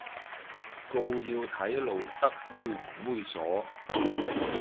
告要睇露得猥唔猥褻